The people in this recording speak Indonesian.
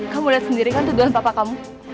kamu lihat sendiri kan tuduhan bapak kamu